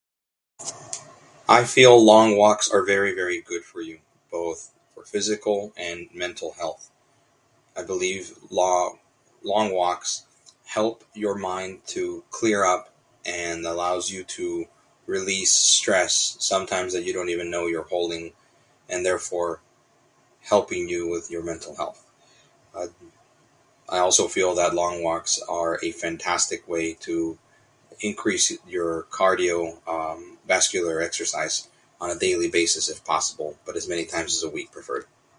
I feel long walks are very very good for you, both physical and mental health. I believe lo- long walks help your mind to clear up and allows you to release stress, sometimes that you don't even know that you're holding, and therefore helping you with your mental health. Uh, I also feel that long walks are a fantastic way to increase your cardio- um, -vascular exercise on a daily basis if possible, but as many times as a week preferred.